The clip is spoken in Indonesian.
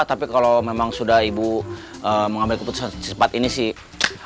tapi kalau memang sudah ibu mengambil keputusan secepat ini sih